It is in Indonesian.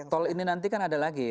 tol ini nanti kan ada lagi